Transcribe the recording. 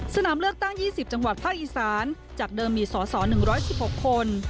สนามเลือกตั้ง๒๐จังหวัดภาคอีสานจากเดิมมีสอสอ๑๑๖คน